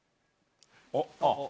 あっ。